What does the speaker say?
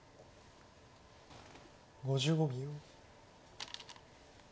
５５秒。